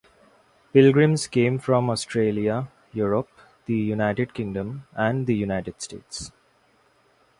Pilgrims came from Australia, Europe, the United Kingdom, and the United States.